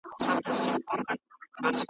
په هوا مو کشپان نه وه لیدلي .